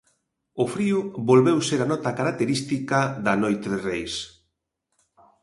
O frío volveu ser a nota característica da noite de reis.